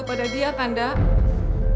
apakah kamu akan menanggung dia tanda